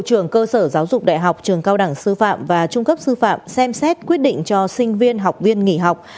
trường cơ sở giáo dục đại học trường cao đẳng sư phạm và trung cấp sư phạm xem xét quyết định cho sinh viên học viên nghỉ học